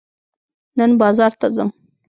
نن بازار ته ځم.